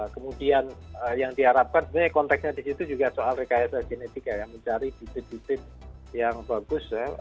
kemudian yang diharapkan konteksnya disitu juga soal rekayasa genetika ya mencari ditit ditit yang bagus ya